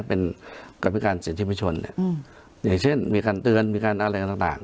เป็นกรรมิการเศรษฐีมชนเนี่ยอืมอย่างเช่นมีการเตือนมีการอะไรต่างต่าง